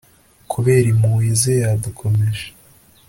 kubera impuhwe ze, yadukomeje